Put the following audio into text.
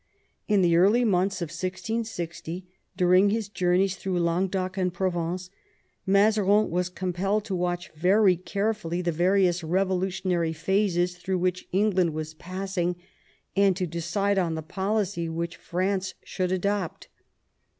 In the early months of 1660, during his journeys through Languedoc and Provence, Mazarin was com pelled to watch very carefully the various revolutionary phases through which England was passing, and to decide on the policy which France should adopt.